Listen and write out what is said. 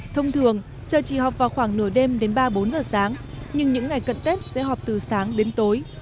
thông thường chờ chỉ họp vào khoảng nửa đêm đến ba bốn giờ sáng nhưng những ngày cận tết sẽ họp từ sáng đến tối